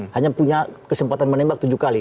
hanya punya kesempatan menembak tujuh kali